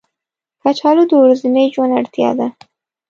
کچالو د ورځني ژوند اړتیا ده